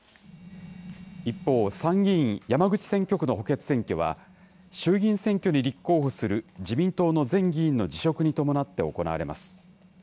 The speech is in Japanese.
一方、参議院山口選挙区の補欠選挙は、衆議院選挙に立候補する自民党の前議員の辞職に伴って行われます。